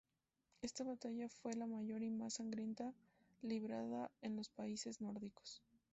Esta batalla fue la mayor y más sangrienta librada en los países nórdicos.